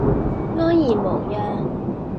安然無恙